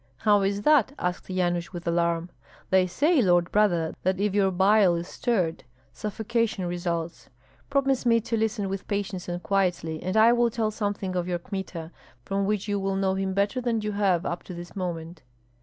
"How is that?" asked Yanush, with alarm. "They say, lord brother, that if your bile is stirred suffocation results. Promise me to listen with patience and quietly, and I will tell something of your Kmita, from which you will know him better than you have up to this moment."